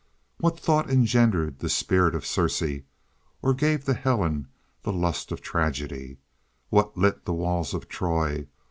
What thought engendered the spirit of Circe, or gave to a Helen the lust of tragedy? What lit the walls of Troy?